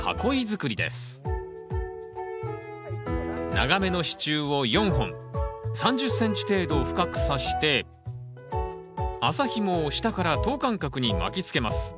長めの支柱を４本３０ｃｍ程度深くさして麻ひもを下から等間隔に巻きつけます。